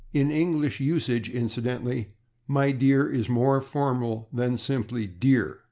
In English usage, incidentally, /My dear/ is more formal than simply /Dear